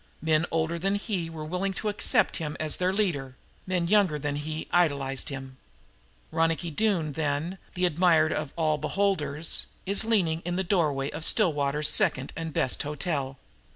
Men older than he were willing to accept him as their leader; men younger than he idolized him. Ronicky Doone, then, the admired of all beholders, is leaning in the doorway of Stillwater's second and best hotel.